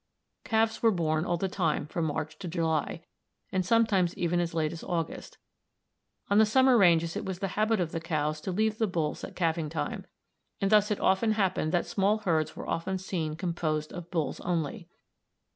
Calves were born all the time from March to July, and sometimes even as late as August. On the summer ranges it was the habit of the cows to leave the bulls at calving time, and thus it often happened that small herds were often seen composed of bulls only.